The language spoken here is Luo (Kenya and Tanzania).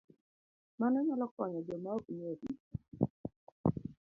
Mano nyalo konyo joma ok nie ofis